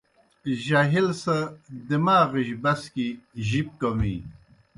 جاہل سہ دماغِجیْ بسکیْ جِب کمِینوْ